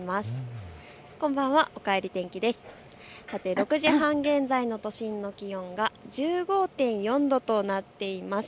６時半現在の都心の気温は１５．４度となっています。